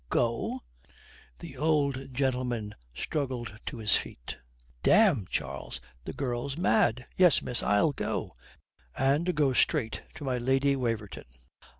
"Go?" The old gentleman struggled to his feet. "Damme, Charles, the girl's mad. Yes, miss, I'll go and go straight to my Lady Waverton.